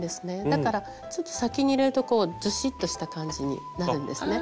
だからちょっと先に入れるとずしっとした感じになるんですね。